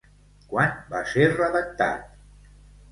Quan va ser redactat?